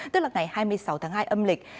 tức là ngày hai mươi sáu tháng hai âm lịch